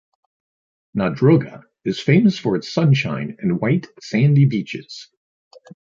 Nadroga is famous for its sunshine and white sandy beaches.